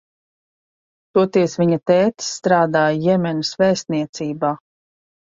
Toties viņa tētis strādā Jemenas vēstniecībā.